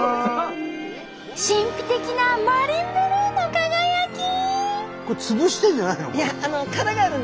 神秘的なマリンブルーの輝き！